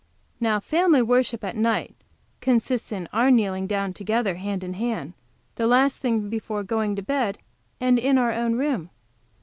Now family worship at night consists in our kneeling down together hand in hand, the last thing before going to bed, and in our own room.